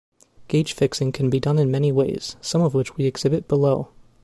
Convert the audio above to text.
Gauge fixing can be done in many ways, some of which we exhibit below.